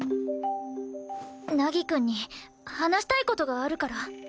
凪くんに話したい事があるから。